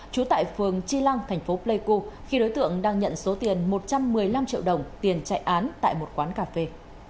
trú tại phường chi lăng thành phố pleiku khi đối tượng đang nhận số tiền một trăm một mươi năm triệu đồng tiền chạy án tại một quán cà phê